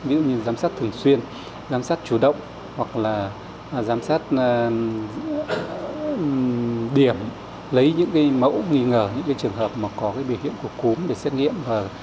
ví dụ như giám sát thường xuyên giám sát chủ động hoặc là giám sát điểm lấy những mẫu nghi ngờ những trường hợp có biểu hiện của cúm để xét nghiệm